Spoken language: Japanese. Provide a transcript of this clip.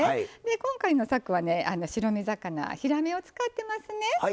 今回のさくはね白身魚ひらめを使ってますね。